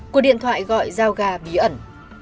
cuộc điện thoại gọi giao gà bí ẩn